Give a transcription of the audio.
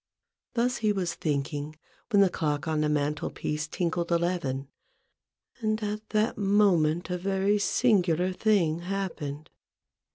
Thus he was thinking when the clock on the mantel piece tinkled 92 A BOOK OF BARGAINS, eleven ; and at that moment a very singular thing happened.